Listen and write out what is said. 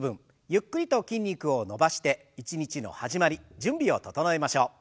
ゆっくりと筋肉を伸ばして一日の始まり準備を整えましょう。